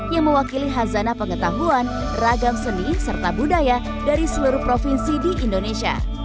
yang mewakili hazanna pengetahuan ragam seni serta budaya dari seluruh provinsi di indonesia